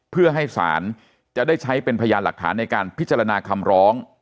เพื่อให้ศาลจะได้ใช้เป็นพยานหลักฐานในการพิจารณาคำร้อง